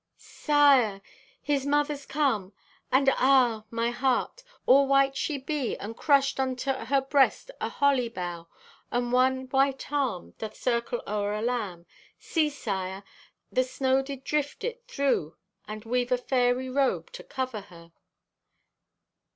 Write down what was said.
Sire, His mother's come! And, ah, my heart! All white she be an' crushed unto her breast a holly bough, and one white arm doth circle o'er a lamb! See, sire, the snow did drift it thro' and weave a fairy robe to cover her."